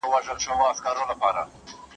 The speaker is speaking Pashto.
ته څه ږغ اورې؟